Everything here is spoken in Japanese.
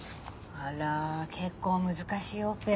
あら結構難しいオペ。